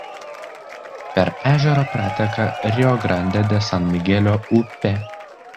Per ežerą prateka Rio Grande de San Migelio upė.